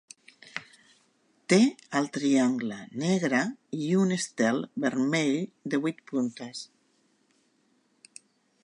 Té el triangle negre i un estel vermell de vuit puntes.